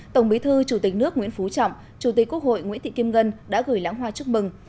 tổng bí thư chủ tịch nước nguyễn phú trọng chủ tịch quốc hội nguyễn thị kim ngân đã gửi lãng hoa chúc mừng